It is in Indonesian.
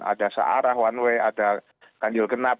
ada searah one way ada ganjil genap